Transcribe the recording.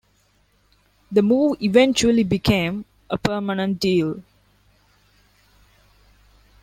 The move eventually became a permanent deal.